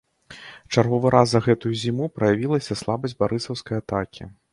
Чарговы раз за гэтую зіму праявілася слабасць барысаўскай атакі.